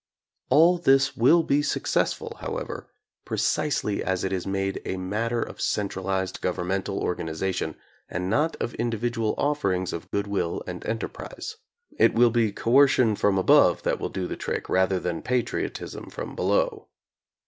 All this will be successful, how ever, precisely as it is made a matter of centralized governmental organization and not of individual offerings of goodwill and enterprise. It will be coercion from above that will do the trick rather than patriotism from below.